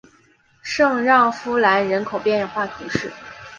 圣让夫兰人口变化图示